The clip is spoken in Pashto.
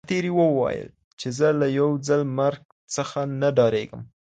سرتیري وویل چي زه له یو ځل مرګ څخه نه ډاریږم.